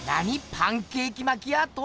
パンケーキマキアート？